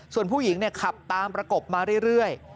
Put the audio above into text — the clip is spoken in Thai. ส่วนผู้หญิงขับตามประกบมาเรื่อย